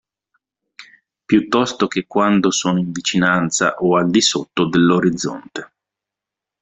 Piuttosto che quando sono in vicinanza o al di sotto dell'orizzonte.